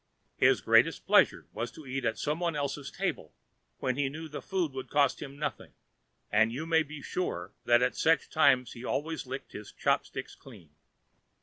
His greatest pleasure was to eat at some one else's table when he knew that the food would cost him nothing, and you may be sure that at such times he always licked his chopsticks clean.